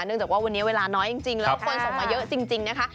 จากว่าวันนี้เวลาน้อยจริงแล้วคนส่งมาเยอะจริงนะคะ